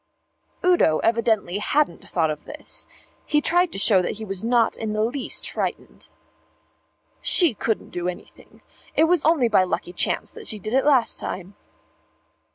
Udo evidently hadn't thought of this. He tried to show that he was not in the least frightened. "She couldn't do anything. It was only by a lucky chance she did it last time."